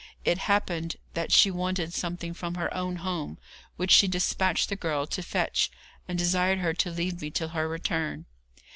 It happened that she wanted something from her own home, which she despatched the girl to fetch, and desired her to leave me till her return.